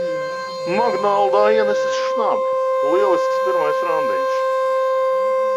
"Makdonaldā" ienesis šnabi! Lielisks pirmais randiņš.